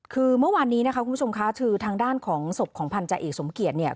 คือเมื่อวานนี้นะคะคุณผู้ชมค่ะคือทางด้านของศพของพันธาเอกสมเกียจเนี่ย